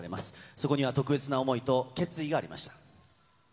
そこには特別な思いと決意がありました。